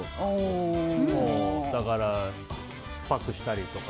だから、酸っぱくしたりとか。